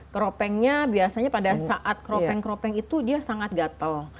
keropengnya biasanya pada saat keropeng keropeng itu dia sangat gatel